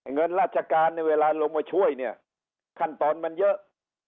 เงินราชการในเวลาลงมาช่วยเนี่ยขั้นตอนมันเยอะ